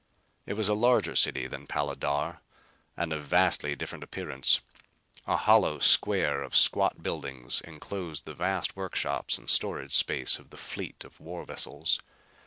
It was a larger city than Pala dar and of vastly different appearance. A hollow square of squat buildings enclosed the vast workshops and storage space of the fleet of war vessels.